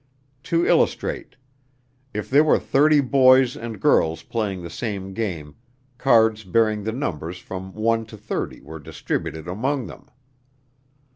To illustrate: If there were thirty boys and girls playing the same game, cards bearing the numbers from one to thirty were distributed among them.